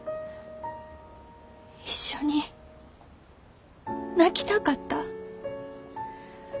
一緒に泣きたかった。